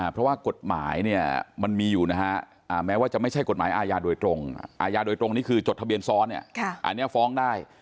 เพราะว่ากฎหมายเนี่ยมันมีอยู่นะฮะแม้ว่าจะไม่ใช่กฎหมายอาญาโดยตรงอาญาโดยตรงนี้คือจดทะเบียนซ้อนเนี่ยอันนี้ฟ้องได้